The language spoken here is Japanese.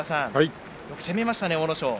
攻めましたね阿武咲。